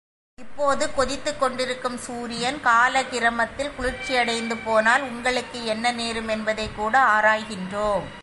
இப்போது கொதித்துக் கொண்டிருக்கும் சூரியன் காலக்கிரமத்தில் குளிர்ச்சியடைந்து போனால், உங்களுக்கு என்ன நேரும் என்பதைக்கூட ஆராய்கின்றோம்.